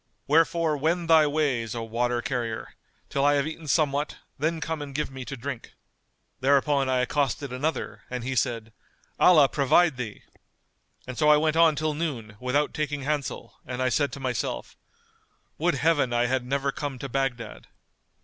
Wherefore wend thy ways, O water carrier, till I have eaten somewhat: then come and give me to drink." Thereupon I accosted another and he said:—Allah provide thee! And so I went on till noon, without taking hansel, and I said to myself, 'Would Heaven I had never come to Baghdad!